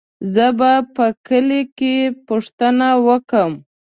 زه به په کلي کې پوښتنه وکم.